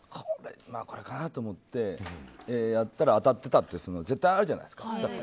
これかなと思ってやったら当たってたって絶対あるじゃないですか。